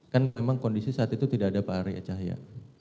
kan memang kondisi saat itu tidak ada pak ari e cahaya